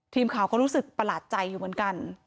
ทีมข่าวก็รู้สึกประหลาดใจอยู่เหมือนกัน